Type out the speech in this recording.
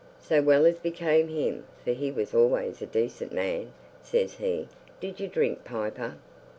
So, as well became him, for he was always a decent man, says he, 'Did you drink, piper?